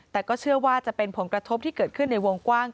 แต่ก็เชื่อว่าจะเป็นผลกระทบที่เกิดขึ้นในวงกว้าง